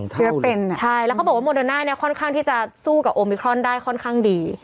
ใช่แล้วเขาบอกว่าโมโดน่าเนี่ยค่อนข้างที่จะสู้กับโอมิครอนได้ค่อนข้างดี